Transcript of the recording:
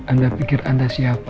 anda pikir anda siapa